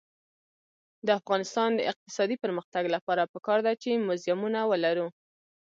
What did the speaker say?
د افغانستان د اقتصادي پرمختګ لپاره پکار ده چې موزیمونه ولرو.